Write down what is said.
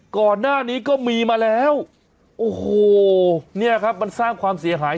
ก่อนหน้านี้ก็มีมาแล้วโอ้โหเนี่ยครับมันสร้างความเสียหาย